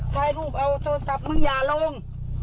ถ่ายรูปเอาโทรศัพท์มึงอย่าลง